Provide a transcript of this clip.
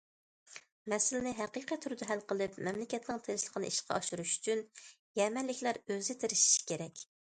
مەسىلىنى ھەقىقىي تۈردە ھەل قىلىپ، مەملىكەتنىڭ تىنچلىقىنى ئىشقا ئاشۇرۇش ئۈچۈن يەمەنلىكلەر ئۆزى تىرىشىشى كېرەك.